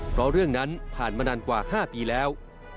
เพราะเรื่องนั้นผ่านมานานกว่า๕ปีแล้ว